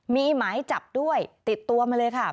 มีหมายจับด้วยติดตัวมาเลยค่ะ